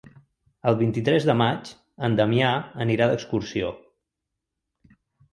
El vint-i-tres de maig en Damià anirà d'excursió.